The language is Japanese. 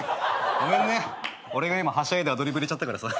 俺が今はしゃいでアドリブ入れちゃったからさ。